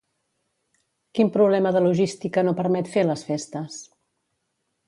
Quin problema de logística no permet fer les festes?